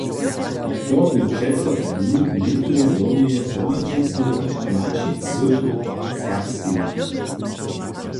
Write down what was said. To bě přeco termin lětneje hłowneje zhromadźizny Maćicy Serbskeje.